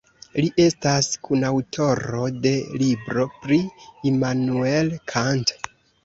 Li estas kunaŭtoro de libro pri Immanuel Kant.